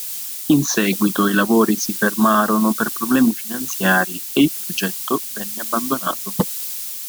In seguito i lavori si fermarono per problemi finanziari e il progetto venne abbandonato.